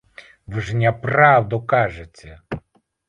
Вы ж няпраўду кажаце!